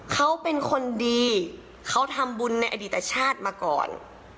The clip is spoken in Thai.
เขาเป็นคนดีเขาทำบุญในอดีตชาติมาก่อน